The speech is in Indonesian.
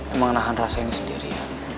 emang nahan rasa ini sendiri